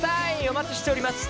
お待ちしております。